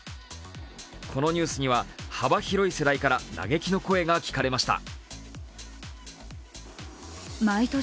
このニュースには幅広い世代から、嘆きの声が聞かれました。